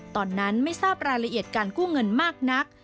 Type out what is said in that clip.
ตอนนั้นไม่ทราบรายละเอียดการกู้เงินมากนัก